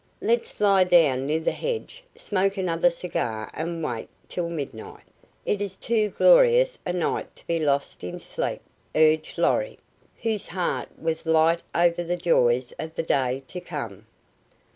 "Let's lie down near the hedge, smoke another cigar and wait till midnight. It is too glorious a night to be lost in sleep," urged Lorry, whose heart was light over the joys of the day to come.